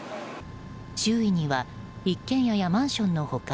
周囲には一軒家やマンションの他